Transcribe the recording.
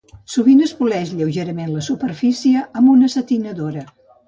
Sovint es poleix lleugerament la superfície amb una setinadora.